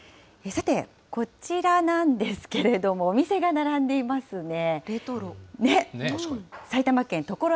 さて、こちらなんですけれども、お店が並んでいますね。